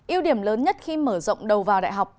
yêu điểm lớn nhất khi mở rộng đầu vào đại học